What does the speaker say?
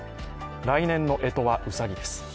来年のえとはうさぎです。